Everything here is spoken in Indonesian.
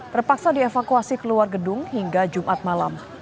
terpaksa dievakuasi keluar gedung hingga jumat malam